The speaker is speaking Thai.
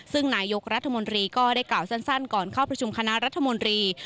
ซึ่งนายกรัฐมนตรีก็ได้กล่าวสั้นก่อนเข้าประชุมคณะรัฐมนตรี